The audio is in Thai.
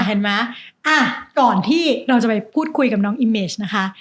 เห็นไหมอ่ะก่อนที่เราจะไปพูดคุยกับน้องอิเมจนะคะ